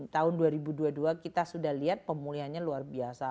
tahun dua ribu dua puluh dua kita sudah lihat pemulihannya luar biasa